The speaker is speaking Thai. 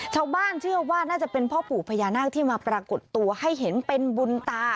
ชาวบ้านเชื่อว่าน่าจะเป็นพ่อปู่พญานาคที่มาปรากฏตัวให้เห็นเป็นบุญตา